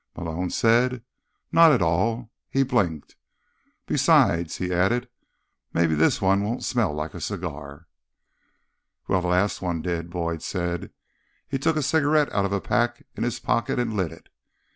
Malone said. "Not at all." He blinked. "Besides," he added, "maybe this one won't smell like a cigar." "Well, the last one did," Boyd said. He took a cigarette out of a pack in his pocket, and lit it.